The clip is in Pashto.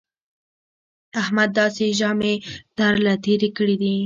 احمد داسې ژامې تر له تېرې کړې دي